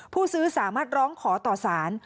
ผู้ซื้อสามารถร้องขอต่อสาร